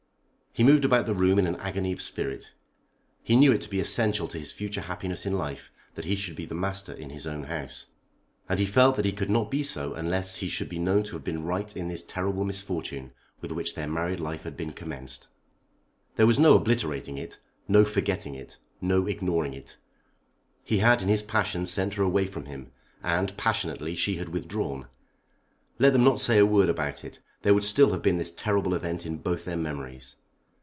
He moved about the room in an agony of spirit. He knew it to be essential to his future happiness in life that he should be the master in his own house. And he felt that he could not be so unless he should be known to have been right in this terrible misfortune with which their married life had been commenced. There was no obliterating it, no forgetting it, no ignoring it. He had in his passion sent her away from him, and, passionately, she had withdrawn. Let them not say a word about it, there would still have been this terrible event in both their memories.